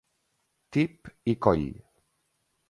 Tip i Coll.